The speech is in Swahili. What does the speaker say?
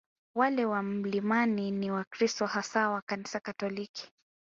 Wale wa milimani ni Wakristo hasa wa Kanisa Katoliki